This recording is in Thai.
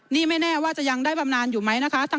นี่ไม่แน่ว่าจะยังได้บำนานอยู่ไหมนะคะ